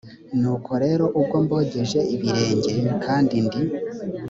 nuko rero ubwo mbogeje ibirenge kandi ndi